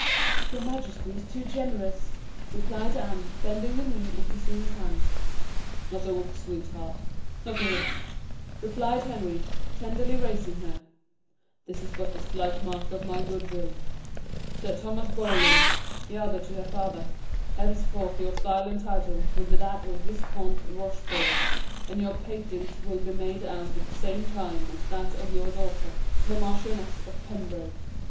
"Your majesty is too generous," replied Anne, bending the knee, and kissing his hand. "Not a whit, sweetheart not a whit," replied Henry, tenderly raising her; "this is but a slight mark of my goodwill. Sir Thomas Boleyn," he added to her father, "henceforth your style and title will be that of Viscount Rochford, and your patent will be made out at the same time as that of your daughter, the Marchioness of Pembroke.